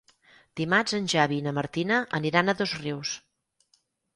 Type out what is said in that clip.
Dimarts en Xavi i na Martina aniran a Dosrius.